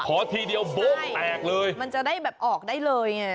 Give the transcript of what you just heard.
ทีเดียวโบ๊ะแตกเลยมันจะได้แบบออกได้เลยไง